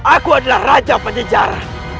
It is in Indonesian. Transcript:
aku adalah raja penyejaran